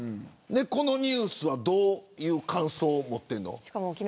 このニュースはどういう感想を持ってるの。